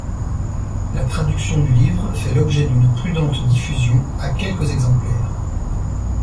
La traduction du livre fait l'objet d'une prudente diffusion à quelques exemplaires.